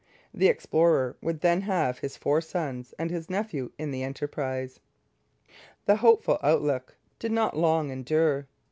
The explorer would then have his four sons and his nephew in the enterprise. The hopeful outlook did not long endure.